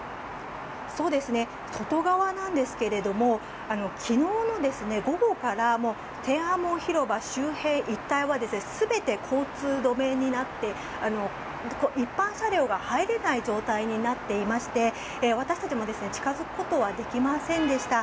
外側なんですが昨日の午後から天安門広場周辺一帯は全て交通止めになって一般車両が入れない状態になっていまして私たちも近付くことはできませんでした。